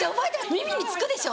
耳につくでしょ？